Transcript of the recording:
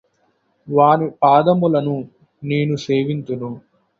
వాని పాదములను నేను సేవింతును